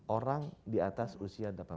orang di atas usia delapan belas